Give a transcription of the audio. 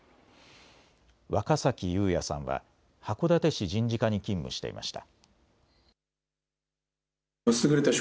若崎友哉さんは函館市人事課に勤務していました。